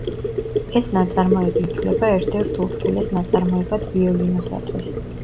ეს ნაწარმოები ითვლება ერთ-ერთ ურთულეს ნაწარმოებად ვიოლინოსათვის.